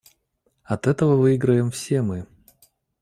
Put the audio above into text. От этого выиграем все мы.